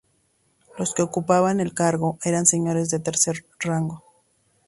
Los que ocupaban el cargo eran Señores de Tercer Rango.